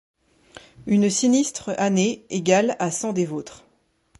Une sinistre année, égale à cent des vôtres ;